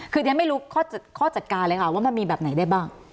คือเรียนไม่รู้ข้อจัดการเลยค่ะว่ามันมีแบบไหนได้บ้าง